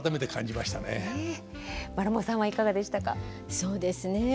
そうですね。